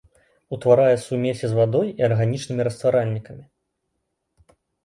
Утварае сумесі з вадой і арганічнымі растваральнікамі.